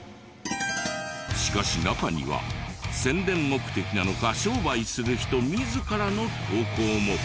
しかし中には宣伝目的なのか商売する人自らの投稿も。